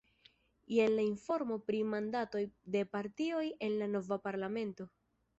Jen la informo pri mandatoj de partioj en la nova parlamento.